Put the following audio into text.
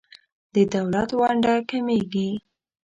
د دولت ونډه کمیږي.